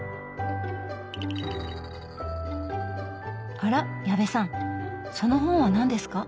あら矢部さんその本は何ですか？